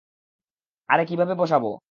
আরে কীভাবে বসাবো?